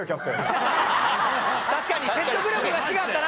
確かに説得力が違ったな。